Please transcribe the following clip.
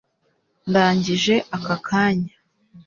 ndangije aka kanya